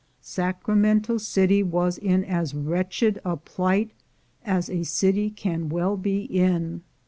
Sacramento City was in as wretched a plight as a city can well be in.